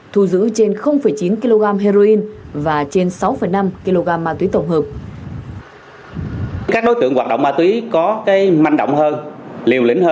thu giữ trên chín kg heroin và trên sáu năm kg ma túy tổng hợp